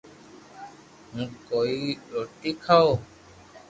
ھون ڪوئي روٽي کاو